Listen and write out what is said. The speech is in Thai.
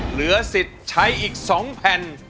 เหลือสิทธิ์ใช้อีก๒แผ่น